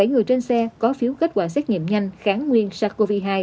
bảy người trên xe có phiếu kết quả xét nghiệm nhanh kháng nguyên sars cov hai